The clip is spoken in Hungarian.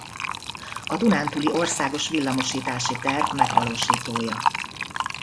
A dunántúli országos villamosítási terv megvalósítója.